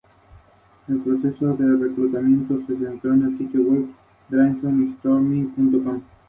Al norte del Orontes, la ciudad antigua, quedó completamente destruida.